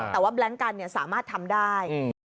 แต่ว่าแบล็งกันสามารถทำได้